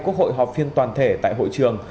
quốc hội họp phiên toàn thể tại hội trường